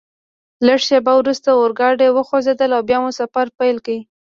لږ شیبه وروسته اورګاډي وخوځېدل او بیا مو سفر پیل کړ.